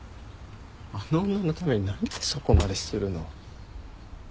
あの女のためになんでそこまでするの？